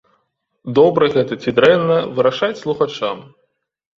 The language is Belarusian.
Добра гэта ці дрэнна, вырашаць слухачам.